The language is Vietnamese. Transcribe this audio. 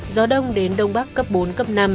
gió đông đến đông bắc cấp bốn cấp năm